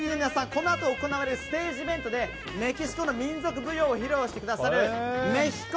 このあと行われるステージイベントでメキシコの民族舞踊を披露してくださるメヒコ